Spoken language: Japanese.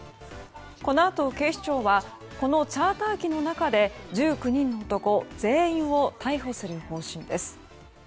このあと警視庁はこのチャーター機の中で１９人の男全員を逮捕する方針です。